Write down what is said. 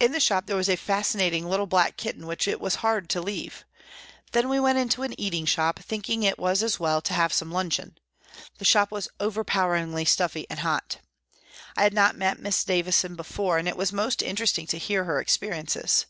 In the shop there was a fascinating little black kitten which it was hard to leave. Then we went into an eating shop, thinking it was as well to have some luncheon. The shop was overpoweringly stuffy and hot. I had not met Miss Davison before, and it was most interesting to hear her experiences.